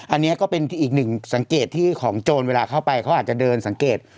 อันนี้ก็เป็นอีกหนึ่งสังเกตที่ของโจรเวลาเข้าไปเขาอาจจะเดินสังเกต